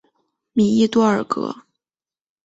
米伊多尔格。